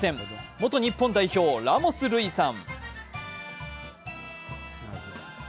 元日本代表、ラモス瑠偉さん。